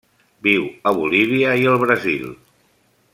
Viu a Bolívia i el Brasil.